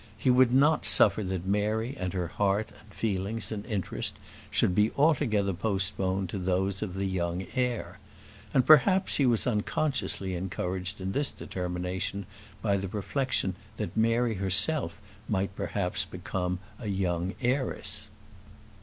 He would not suffer that Mary and her heart and feelings and interest should be altogether postponed to those of the young heir; and, perhaps, he was unconsciously encouraged in this determination by the reflection that Mary herself might perhaps become a young heiress.